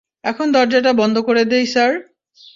এখন দরজাটা বন্ধ করে দেই, স্যার?